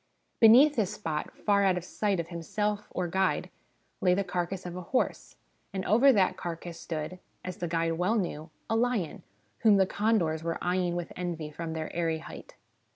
Beneath this spot, far out of sight of himself or guide, lay the carcass of a horse, and over that carcass stood, as the guide well knew, a lion, whom the condors were eyeing with envy from their airy height.